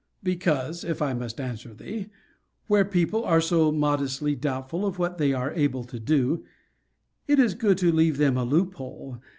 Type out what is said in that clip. Because (if I must answer thee) where people are so modestly doubtful of what they are able to do, it is good to leave a loop hole.